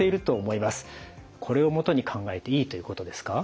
これを基に考えていいということですか？